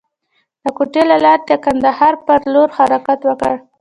د کوټې له لارې د کندهار پر لور حرکت وکړ.